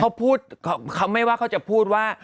เขาพูดเขาไม่ว่าเขาจะพูดว่า